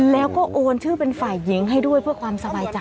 แล้วก็โอนชื่อเป็นฝ่ายหญิงให้ด้วยเพื่อความสบายใจ